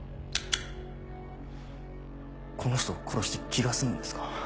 この人を殺して気が済むんですか？